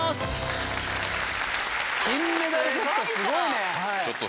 すごいぞ。